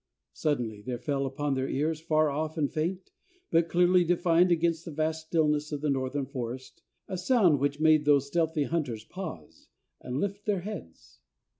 Suddenly there fell upon their ears, far off and faint, but clearly defined against the vast stillness of the Northern forest, a sound which made those stealthy hunters pause and lift their heads.